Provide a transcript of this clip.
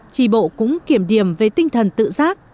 trì bộ cũng kiểm điểm về tinh thần tự giác